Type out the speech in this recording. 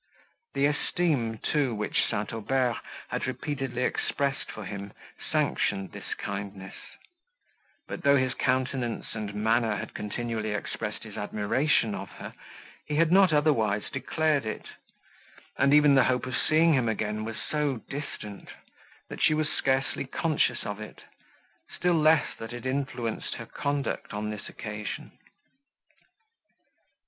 The esteem, too, which St. Aubert had repeatedly expressed for him, sanctioned this kindness; but, though his countenance and manner had continually expressed his admiration of her, he had not otherwise declared it; and even the hope of seeing him again was so distant, that she was scarcely conscious of it, still less that it influenced her conduct on this occasion.